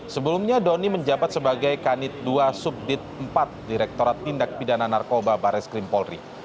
sebelumnya doni menjabat sebagai kanit dua subdit empat direkturat tindak pidana narkoba baris krim polri